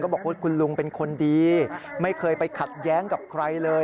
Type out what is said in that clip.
บอกว่าคุณลุงเป็นคนดีไม่เคยไปขัดแย้งกับใครเลย